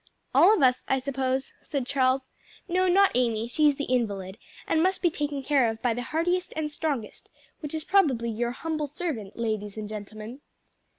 "All of us, I suppose," said Charles. "No, not Amy: she's the invalid, and must be taken care of by the heartiest and strongest, which is probably your humble servant, ladies and gentlemen."